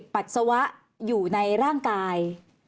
ปัสสาวะอยู่ในร่างกาย